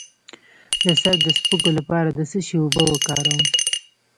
د سر د سپږو لپاره د څه شي اوبه وکاروم؟